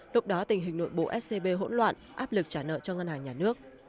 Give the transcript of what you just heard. lúc đó tình hình nội bộ scb hỗn loạn áp lực trả nợ cho ngân hàng nhà nước